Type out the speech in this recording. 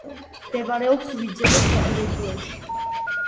მდებარეობს ვიძემეს რეგიონში.